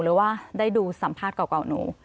หรือว่าได้ดูสัมภาษณ์เก่าหนู